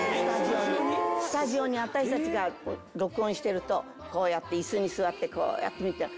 スタジオに私たちが録音してるとこうやって椅子に座ってこうやって見て。